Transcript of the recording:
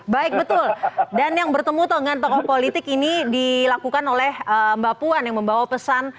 baik betul dan yang bertemu dengan tokoh politik ini dilakukan oleh mbak puan yang membawa pesan